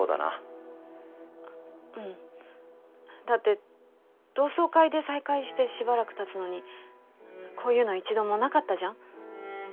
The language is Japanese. だって同窓会で再会してしばらく経つのにこういうの一度もなかったじゃん。